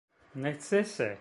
necese